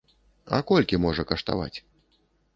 А колькі можа каштаваць?